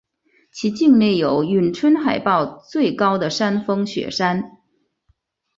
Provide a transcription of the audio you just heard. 其境内有永春海报最高的山峰雪山。